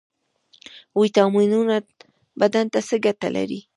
ویټامینونه بدن ته څه ګټه لري؟